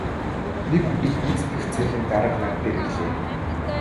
Нэг өдөр гүйцэтгэх цехийн дарга над дээр ирлээ.